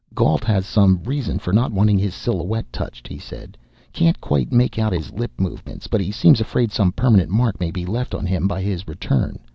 "Gault has some reason for not wanting his silhouette touched," he said. "Can't quite make out his lip movements, but he seems afraid some permanent mark may be left on him by his return.